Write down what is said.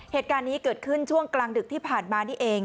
เหตุการณ์นี้เกิดขึ้นช่วงกลางดึกที่ผ่านมานี่เอง